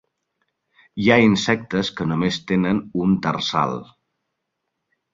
Hi ha insectes que només tenen un tarsal.